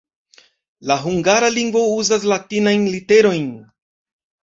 La hungara lingvo uzas latinajn literojn.